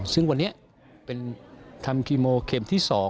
ซึ่งวันนี้เป็นทำคีโมเข็มที่๒